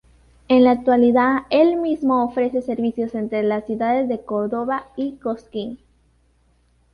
En la actualidad, el mismo ofrece servicios entre las ciudades de Córdoba y Cosquín.